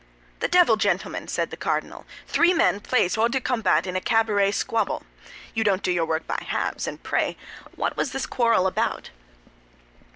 "The devil, gentlemen!" said the cardinal, "three men placed hors de combat in a cabaret squabble! You don't do your work by halves. And pray what was this quarrel about?"